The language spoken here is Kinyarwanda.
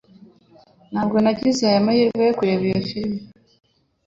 Ntabwo nagize amahirwe yo kureba iyo firime.